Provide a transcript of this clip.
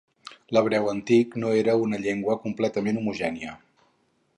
L'hebreu antic no era una llengua completament homogènia.